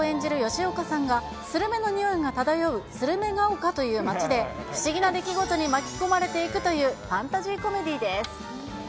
主人公演じる吉岡さんが、スルメの匂いが漂うスルメが丘という町で、不思議な出来事に巻き込まれていくというファンタジーコメディーです。